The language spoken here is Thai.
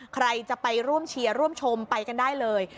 ใครจะไปร่วมเชียร์ร่วมชมไปกันได้เลย